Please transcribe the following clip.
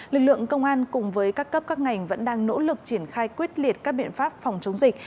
lực lượng công an cùng với các cấp các ngành vẫn đang nỗ lực triển khai quyết liệt các biện pháp phòng chống dịch